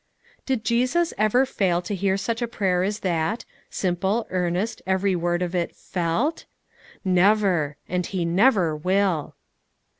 Did Jesus ever fail to hear such a prayer as that, simple, earnest, every word of it felt? Never and He never will.